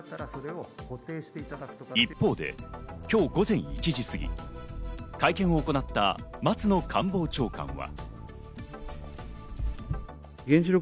一方で今日午前１時過ぎ、会見を行った松野官房長官は。